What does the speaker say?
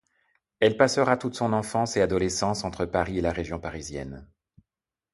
Elle passera toute son enfance et adolescence entre Paris et la région parisienne.